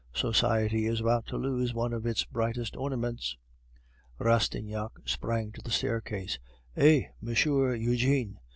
Society is about to lose one of its brightest ornaments." Rastignac sprang to the staircase. "Hey! Monsieur Eugene!"